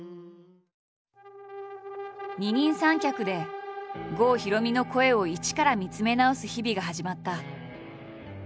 二人三脚で郷ひろみの声を一から見つめ直す日々が始まった。